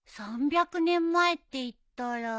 ３００年前っていったら。